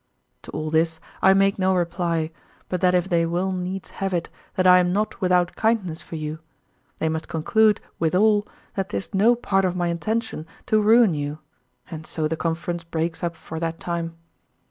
To all this I make no reply, but that if they will needs have it that I am not without kindness for you, they must conclude withal that 'tis no part of my intention to ruin you, and so the conference breaks up for that time.